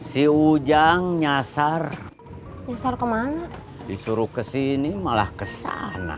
si ujang nyasar nyasar kemana disuruh kesini malah kesana